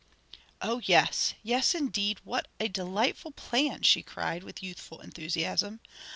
"O, yes, yes indeed! what a delightful plan!" she cried with youthful enthusiasm.